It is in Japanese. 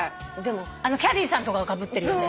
キャディーさんがかぶってるような。